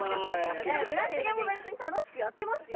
村重も別に楽しくやってますよ。